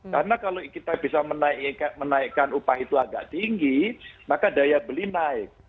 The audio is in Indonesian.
karena kalau kita bisa menaikkan upah itu agak tinggi maka daya beli naik